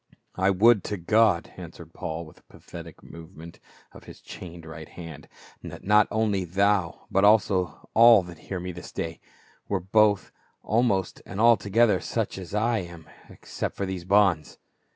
"I would to God," answered Paul with a pathetic movement of his chained right hand, " that not only thou, but also all that hear me this day, were both almost and altogether such as I am, except these bonds